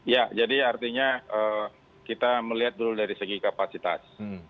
ya jadi artinya kita melihat dulu dari segi kapasitas